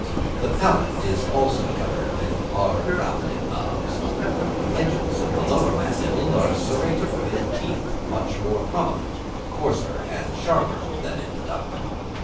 The palate is also covered with hard rounded knobs. The edges of the lower mandible are serrated with teeth much more prominent, coarser and sharper than in the duck.